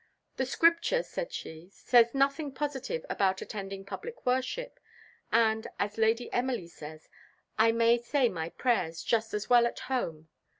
"The Scripture," said she, "says nothing positive about attending public worship; and, as Lady Emily says, I may say my prayers just as well at home."